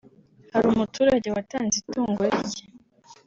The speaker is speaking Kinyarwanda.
Hari umuturage watanze itungo rye